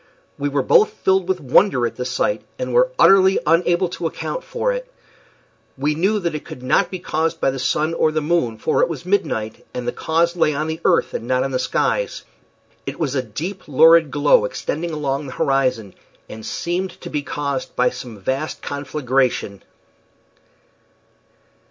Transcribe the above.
We were both filled with wonder at the sight, and were utterly unable to account for it. We knew that it could not be caused by the sun or the moon, for it was midnight, and the cause lay on the earth and not in the skies. It was a deep, lurid glow, extending along the horizon, and seemed to be caused by some vast conflagration.